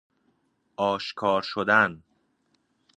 آشکارشدن